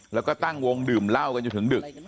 แล้วก็ตั้งวงดื่มเหล้ากันจนถึงดึก